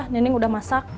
neneng udah masak